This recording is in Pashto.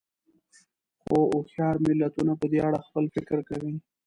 خو هوښیار ملتونه په دې اړه خپل فکر کوي.